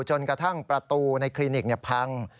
จนกระทั่งประตูในคลินิกพัง